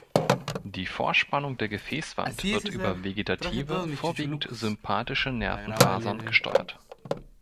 Die Vorspannung der Gefäßwand wird über vegetative, vorwiegend sympathische Nervenfasern gesteuert.